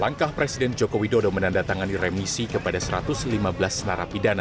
langkah presiden joko widodo menandatangani remisi kepada satu ratus lima belas narapidana